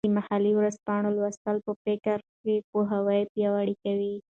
د محلي ورځپاڼو لوستل به فکري پوهاوي پیاوړی کړي.